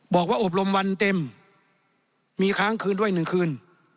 อบรมวันเต็มมีค้างคืนด้วย๑คืน